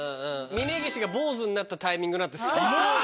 峯岸が坊主になったタイミングなんて。